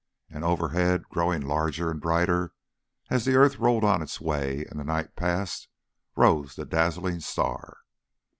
And overhead, growing larger and brighter, as the earth rolled on its way and the night passed, rose the dazzling star.